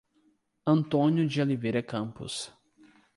Antônio de Oliveira Campos